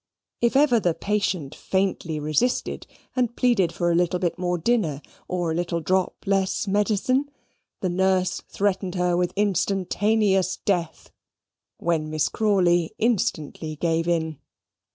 If ever the patient faintly resisted, and pleaded for a little bit more dinner or a little drop less medicine, the nurse threatened her with instantaneous death, when Miss Crawley instantly gave in.